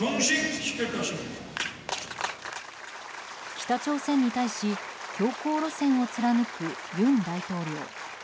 北朝鮮に対し強硬路線を貫く尹大統領。